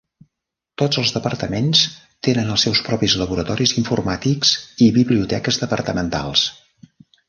Tots els departaments tenen els seus propis laboratoris informàtics i biblioteques departamentals.